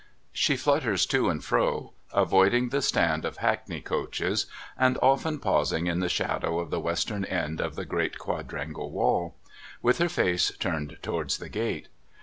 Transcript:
She flutters to and fro, avoiding the stand of hackney coaches, and often pausing in the shadow of the western end of the great quadrangle wall, with her face turned towards the gate.